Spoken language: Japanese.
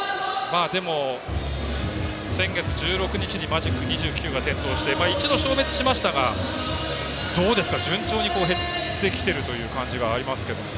でも、先月１６日にマジック２９が点灯して、一度消滅しましたがどうですか、順調に減ってきてるという感じがありますけども。